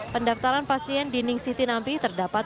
pendaftaran pasien di ning siti nampi terdapat